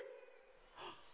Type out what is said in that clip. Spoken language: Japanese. はっ